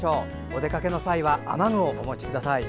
お出かけの際は雨具をお持ちください。